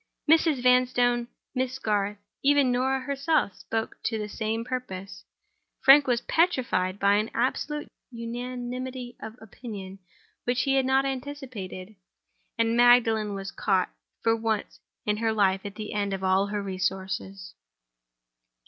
Mrs. Vanstone, Miss Garth, even Norah herself, spoke to the same purpose. Frank was petrified by an absolute unanimity of opinion which he had not anticipated; and Magdalen was caught, for once in her life, at the end of all her resources.